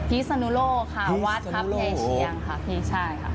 พี่สนุโลค่ะวัดครับไทยเชียงค่ะพี่ชายค่ะ